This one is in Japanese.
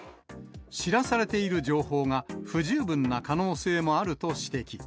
知らされている情報が不十分な可能性もあると指摘。